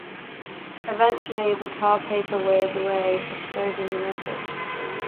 Eventually, the tar paper wears away, exposing the message.